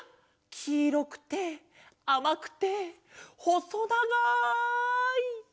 きいろくてあまくてほそながい。